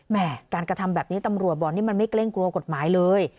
การกระทำแบบนี้ตำรวจบอกนี่มันไม่เกรงกลัวกฎหมายเลย